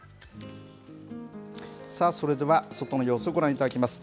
さあ、それでは外の様子ご覧いただきます。